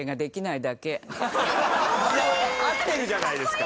合ってるじゃないですか。